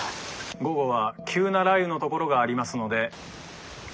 「午後は急な雷雨の所がありますので」。